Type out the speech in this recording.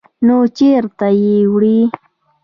_نو چېرته يې وړې؟